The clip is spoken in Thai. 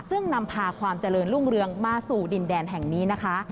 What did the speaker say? ซึ่งนำพาความเจริญรุ่งเรืองมาสู่ดินแดนแห่งนี้นะคะ